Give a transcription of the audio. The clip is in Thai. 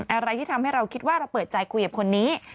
อะไรที่ทำให้เราคิดว่าเราเปิดใจคุยกับคนนี้